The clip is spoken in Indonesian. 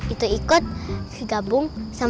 itu ikut digabung sama